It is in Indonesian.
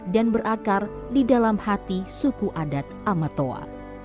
dan berakar di dalam hati suku adat amatoa